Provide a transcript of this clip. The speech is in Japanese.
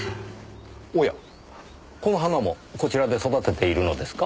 おやこの花もこちらで育てているのですか？